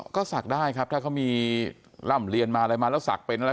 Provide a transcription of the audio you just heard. ก็ศักดิ์ได้ครับถ้าเขามีร่ำเรียนมาอะไรมาแล้วศักดิ์เป็นอะไร